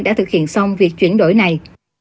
đã thực hiện xong việc chuyển đổi này